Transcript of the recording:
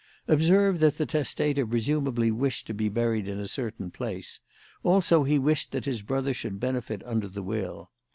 Observe that the testator presumably wished to be buried in a certain place; also he wished that his brother should benefit under the will.